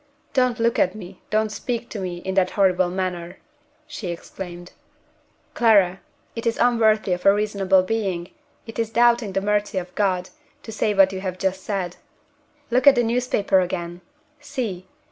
"Don't look at me, don't speak to me, in that horrible manner!" she exclaimed. "Clara! it is unworthy of a reasonable being, it is doubting the mercy of God, to say what you have just said. Look at the newspaper again. See!